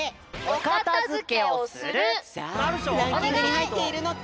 さあランキングにはいっているのか？